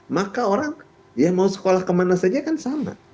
maka orang ya mau sekolah kemana saja kan sama